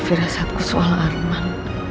firasatku sual arman